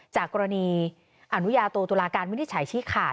จากกรณีอนุญาโตตุลาการวินิจฉัยชี้ขาด